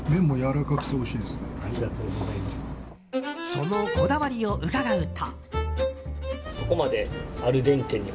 そのこだわりを伺うと。